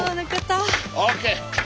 ＯＫ。